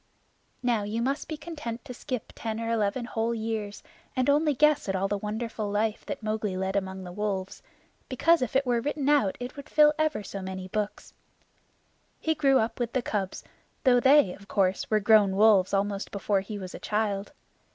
Now you must be content to skip ten or eleven whole years, and only guess at all the wonderful life that Mowgli led among the wolves, because if it were written out it would fill ever so many books. He grew up with the cubs, though they, of course, were grown wolves almost before he was a child.